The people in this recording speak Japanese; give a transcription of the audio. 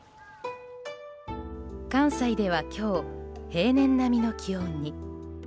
関西では今日平年並みの気温に。